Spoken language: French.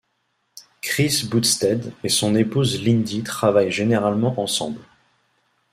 Kris Boustedt et son épouse Lindy travaille généralement ensemble.